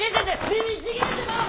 耳ちぎれてまう！